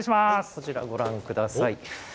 こちらをご覧ください。